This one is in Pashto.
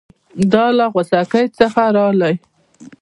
دی له غوڅکۍ څخه رالی.